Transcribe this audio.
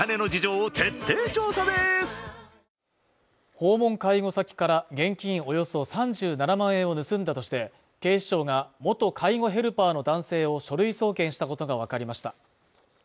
訪問介護先から現金およそ３７万円を盗んだとして、警視庁が、元介護ヘルパーの男性を書類送検したことがわかりました。